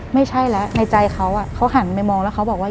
ไม่ใช่แล้วในใจเขาเขาหันไปมองแล้วเขาบอกว่า